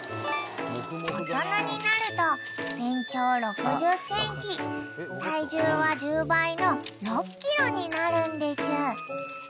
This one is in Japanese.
［大人になると全長６０ｃｍ体重は１０倍の６ｋｇになるんでちゅ］